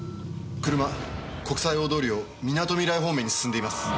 車国際大通りをみなとみらい方面に進んでいます。